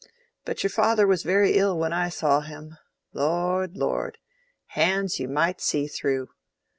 But your father was very ill when I saw him. Lord, lord! hands you might see through.